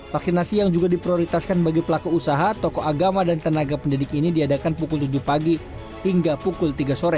vaksinasi yang juga diprioritaskan bagi pelaku usaha toko agama dan tenaga pendidik ini diadakan pukul tujuh pagi hingga pukul tiga sore